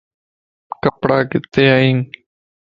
ڪپڙا ڪٿي ان